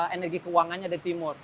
energi keuangannya dari timur